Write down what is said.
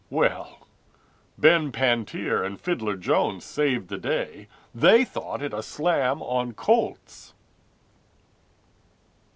Well, Ben Pantier and Fiddler Jones saved the day— They thought it a slam on colts.